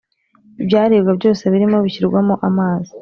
Ibyaribwa byose birimo bishyirwamo amazi